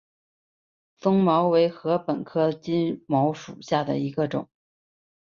棕茅为禾本科金茅属下的一个种。